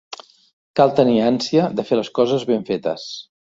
Cal tenir ànsia de fer les coses ben fetes.